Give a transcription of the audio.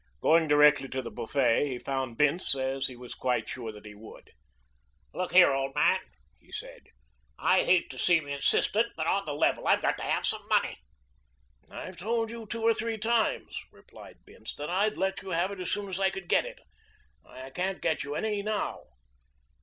Going directly to the buffet, he found Bince, as he was quite sure that he would. "Look here, old man," he said, "I hate to seem insistent, but, on the level, I've got to have some money." "I've told you two or three times,"' replied Bince, "that I'd let you have it as soon as I could get it. I can't get you any now."